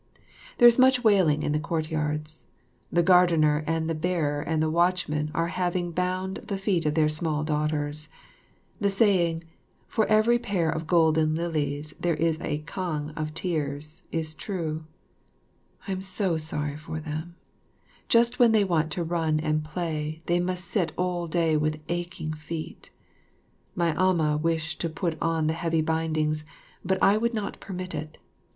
There is much wailing in the courtyards. The gardener and the bearer and the watchman are having bound the feet of their small daughters. The saying, "For every pair of golden lillies' there is a kang of tears," is true. I am so sorry for them. Just when they want to run and play, they must sit all day with aching feet. My amah wished to put on the heavy bindings, but I would not permit it.